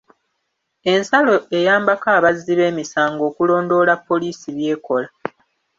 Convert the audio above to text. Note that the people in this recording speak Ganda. Ensalo eyambako abazzi b'emisango okulondoola poliisi by'ekola.